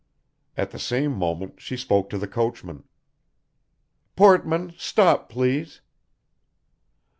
At the same moment she spoke to the coachman. "Portman, stop please."